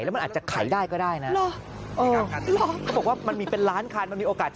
แล้วมันอาจจะขายได้ก็ได้นะ